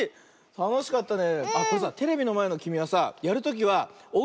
たのしかったね。